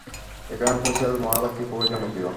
এখানে হুঁইসেল মহালক্ষী খুবই জনপ্রিয়।